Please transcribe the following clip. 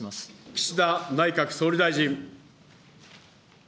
岸田内閣総理大臣。